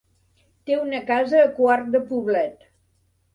Té una casa a Quart de Poblet.